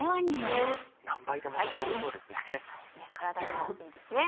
何杯でも食べられそうですね。